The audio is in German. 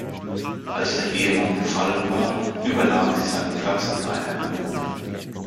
Als der Ehemann gefallen war, übernahm sie seinen Platz an einer Kanone.